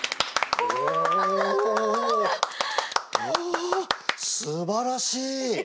あすばらしい！